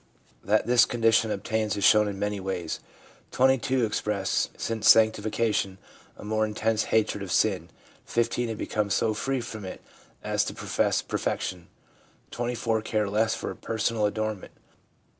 That this condition obtains is shown in many ways. Twenty two express since sanctification a more intense hatred of sin ; 1 5 have become so free from it as to pro fess perfection; 24 care less for personal adornment.